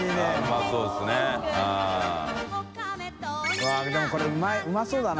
錣でもこれうまそうだな。